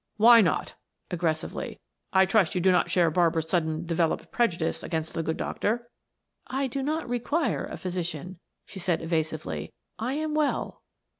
"Why not?" aggressively. "I trust you do not share Barbara's suddenly developed prejudice against the good doctor." "I do not require a physician," she said evasively. "I am well."